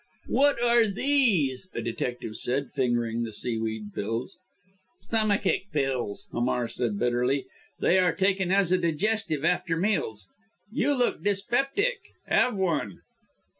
"What are these?" a detective said, fingering the seaweed pills gingerly. "Stomachic pills!" Hamar said bitterly, "they are taken as a digestive after meals. You look dyspeptic have one."